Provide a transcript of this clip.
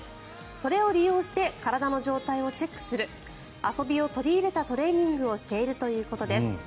それを利用して体の状態をチェックする遊びを取り入れたトレーニングをしているということです。